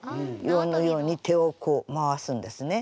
このように手をこう回すんですね。